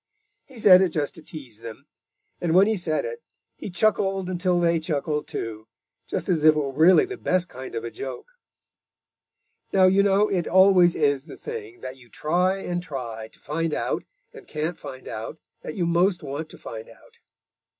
He said it just to tease them, and when he said it, he chuckled until they chuckled too, just as if it really were the best kind of a joke. Now you know it always is the thing that you try and try to find out and can't find out that you most want to find out.